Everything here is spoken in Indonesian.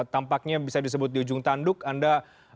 tampaknya bisa disebut di ujung tanduk anda